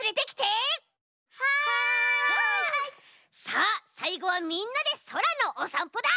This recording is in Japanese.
さあさいごはみんなでそらのおさんぽだ。